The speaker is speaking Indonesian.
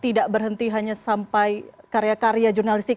tidak berhenti hanya sampai karya karya jurnalistik